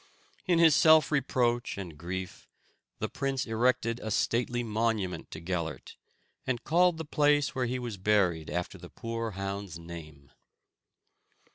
In his self reproach and grief, the prince erected a stately monument to Gellert, and called the place where he was buried after the poor hound's name.